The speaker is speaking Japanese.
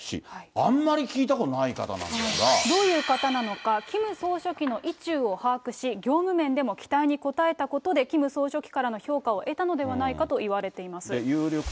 あんまり聞いたことない方なんでどういう方なのか、キム総書記の意中を把握し、業務面でも期待に応えたことで、キム総書記からの評価を得たのではないかといわれています。